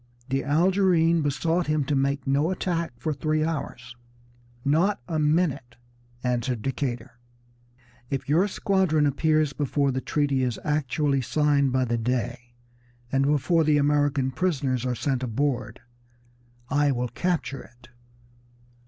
The Algerine besought him to make no attack for three hours. "Not a minute!" answered Decatur. "If your squadron appears before the treaty is actually signed by the Dey, and before the American prisoners are sent aboard, I will capture it!"